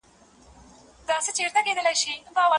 هغه مڼه وخوړله.